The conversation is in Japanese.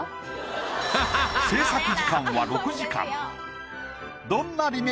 制作時間は６時間。